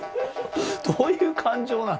どういう感情なの？